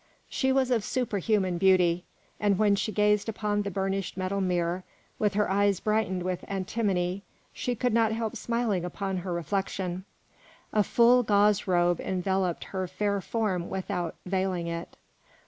She was of superhuman beauty, and when she gazed upon the burnished metal mirror, with her eyes brightened with antimony, she could not help smiling upon her reflection. A full gauze robe enveloped her fair form without veiling it.